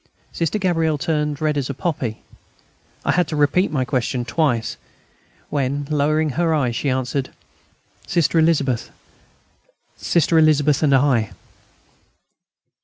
Sister Gabrielle turned as red as a poppy. I had to repeat my question twice, when, lowering her eyes, she answered: "Sister Elizabeth Sister Elizabeth ... and I."